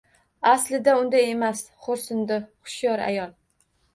Aslida unday emas, xo`rsindi xushro`y ayol